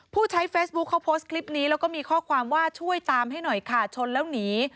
ผู้ใช้เฟซบุ๊คเขาโพสต์คลิปนี้แล้วก็มีข้อความว่าช่วยตามให้หน่อยค่ะชนแล้วหนี